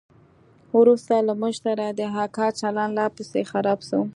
وروسته له موږ سره د اکا چلند لا پسې خراب سو.